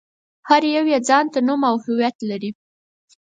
هر يو يې ځان ته نوم او هويت لري.